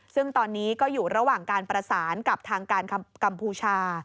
ซึ่งตอนนี้ก็อยู่ระหว่างการประสานกับทางการกัมพูชา